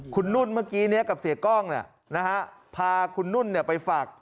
คุณนุ่นเมื่อกี้เนี่ยกับเสียกล้องนะฮะพาคุณนุ่นเนี่ยไปฝาก